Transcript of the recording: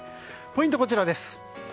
ポイントはこちらです。